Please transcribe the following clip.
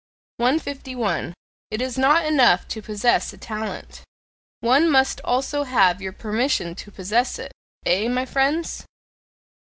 151. It is not enough to possess a talent: one must also have your permission to possess it; eh, my friends?